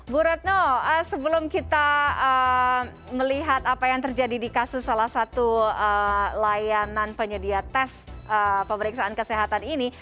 bu retno sebelum kita melihat apa yang terjadi di kasus salah satu layanan penyedia tes pemeriksaan kesehatan ini